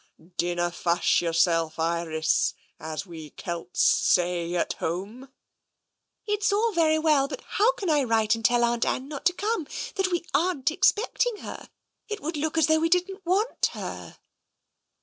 Dinna fash yersel', Iris, as we Kelts say at home/' It's all very well, but how can I write and tell Aunt Anne not to come — that we aren't expecting her? It would look as though we didn't want her."